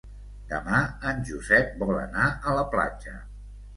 Demà en Josep vol anar a la platja.